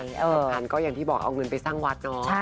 แต่งั้นก็อย่างที่บอกเอาเงินไปสร้างวัด